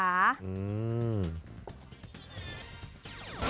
อืม